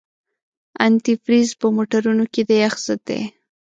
انتي فریز په موټرونو کې د یخ ضد دی.